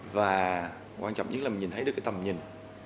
và quan trọng nhất là mình nhìn thấy được cái tầm nhìn